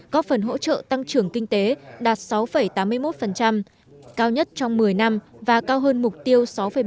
có phần hỗ trợ tăng trưởng kinh tế đạt sáu tám mươi một cao nhất trong một mươi năm và cao hơn mục tiêu sáu bảy